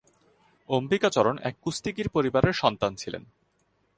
অম্বিকাচরণ এক কুস্তিগীর পরিবারের সন্তান ছিলেন।